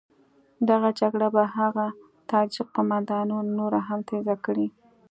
دغه جګړه به هغه تاجک قوماندانان نوره هم تېزه کړي.